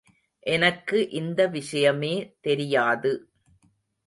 எனக்கு இந்த விஷயமே தெரியாது.